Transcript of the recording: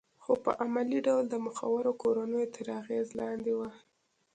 خو په عملي ډول د مخورو کورنیو تر اغېز لاندې وه